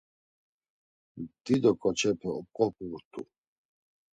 Dido ǩoçepe oǩvobğurt̆u.